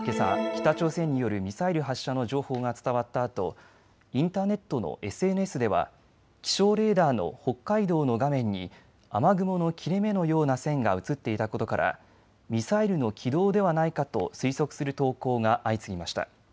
北朝鮮によるミサイル発射の情報が伝わったあとインターネットのＳＮＳでは気象レーダーの北海道の画面に雨雲の切れ目のような線が映っていたことからミサイルの軌道ではないかと推測する投稿が相次ぎました。